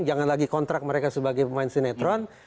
jangan lagi kontrak mereka sebagai pemain sinetron